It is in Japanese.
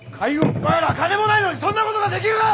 お前ら金もないのにそんなことができるか！